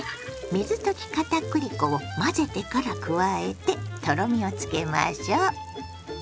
水溶きかたくり粉を混ぜてから加えてとろみをつけましょ。